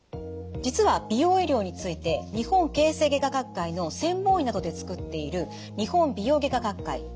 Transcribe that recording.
実は美容医療について日本形成外科学会の専門医などで作っている日本美容外科学会